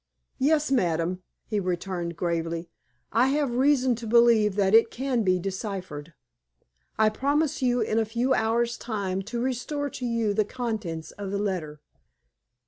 "Yes, madame," he returned, gravely; "I have reason to believe that it can be deciphered. I promise you in a few hours' time to restore to you the contents of the letter."